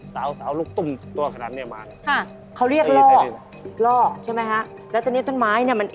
สาวลูกตุ้มตัวขนาดนี้มา